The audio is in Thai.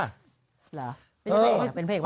เหรอ